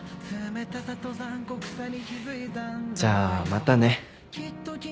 じゃあまたね。いっ